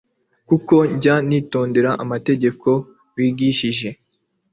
kuko njya nitondera amategeko wigishije."